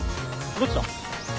どっちだ？